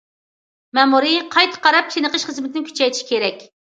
مەمۇرىي قايتا قاراپ چىقىش خىزمىتىنى كۈچەيتىش كېرەك.